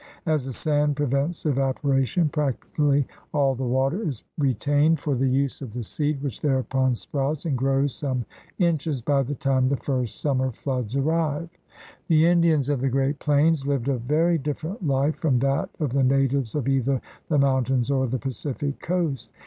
As the sand pre vents evaporation, practically all the water is re tained for the use of the seed, which thereupon sprouts and grows some inches by the time the first summer floods arrive. The Indians of the Great Plains lived a very different life from that of the natives of either the mountains or the Pacific coast.